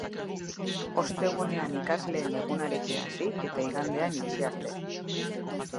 Ostegunean ikasleen egunarekin hasi eta igandean itxi arte.